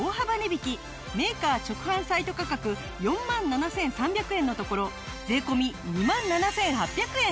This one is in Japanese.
メーカー直販サイト価格４万７３００円のところ税込２万７８００円！